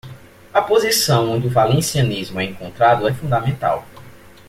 A posição onde o valencianismo é encontrado é fundamental.